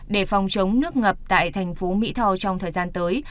để phòng chống nước ngập tại thành phố mỹ tho trong thời gian tới